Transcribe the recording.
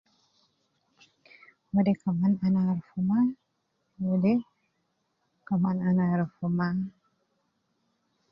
Wede kaman ana arufu maa, wede ana arufu maa